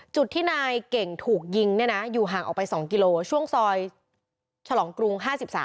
จุดที่นายเก่งถูกยิงเนี่ยนะอยู่ห่างออกไป๒กิโลช่วงซอยฉลองกรุง๕๓